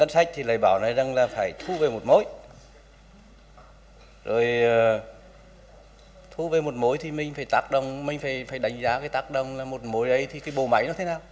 rồi thu về một mối thì mình phải tác động mình phải đánh giá cái tác động là một mối ấy thì cái bộ mảnh nó thế nào